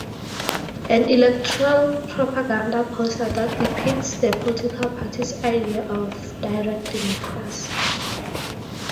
An electoral propaganda poster that depicts the Political Party's idea of direct democracy.